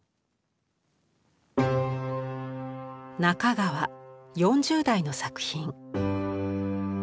中川４０代の作品。